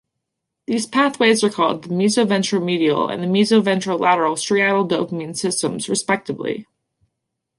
These pathways are called the meso-ventromedial and the meso-ventrolateral striatal dopamine systems, respectively.